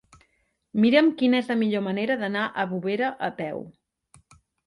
Mira'm quina és la millor manera d'anar a Bovera a peu.